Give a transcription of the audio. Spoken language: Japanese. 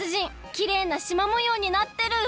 きれいなしまもようになってる！